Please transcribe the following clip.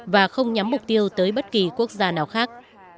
và không nhắm mục tiêu tới bất kỳ quốc gia nào khác